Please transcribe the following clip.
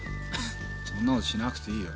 そんなことしなくていいよ。